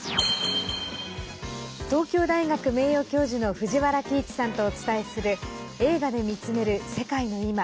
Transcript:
東京大学名誉教授の藤原帰一さんとお伝えする「映画で見つめる世界のいま」。